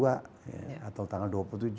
atau tanggal dua puluh tujuh